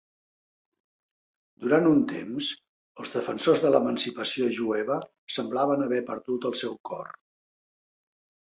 Durant un temps, els defensors de l"emancipació jueva semblaven haver perdut el seu cor.